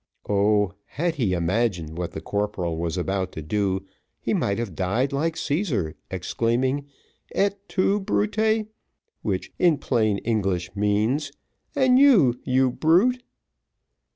Oh! had he imagined what the corporal was about to do, he might have died like Cæsar, exclaiming, "Et tu Brute," which, in plain English means, "and you you brute."